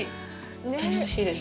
本当においしいです。